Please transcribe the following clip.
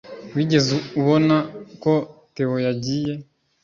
Wigeze ubona ko theo yagiye?